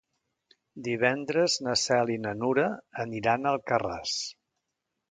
Divendres na Cel i na Nura aniran a Alcarràs.